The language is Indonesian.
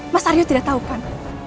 mas aryo tidak tahu kan